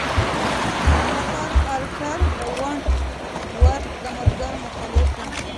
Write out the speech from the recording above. مک ارتر د ونټ ورت د ملګرو مخالف و.